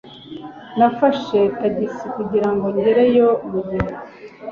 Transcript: Nafashe tagisi kugirango ngereyo mugihe.